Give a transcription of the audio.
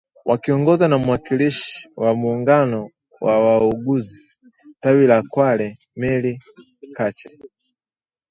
Wakiongozwa na mwakilishi wa muungano wa wauguzi tawi la Kwale Mary Kache